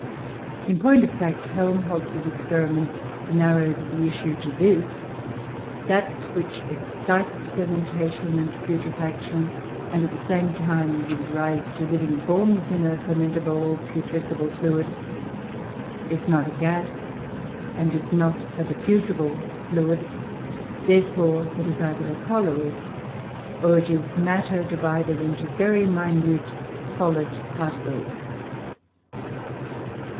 In point of fact, Helmholtz's experiments narrowed the issue to this: that which excites fermentation and putrefaction, and at the same time gives rise to living forms in a fermentable or putrescible fluid, is not a gas and is not a diffusible fluid; therefore it is either a colloid, or it is matter divided into very minute solid particles.